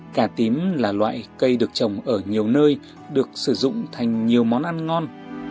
cà tím là loại cây được trồng ở nhiều nơi được sử dụng thành nhiều món ăn ngon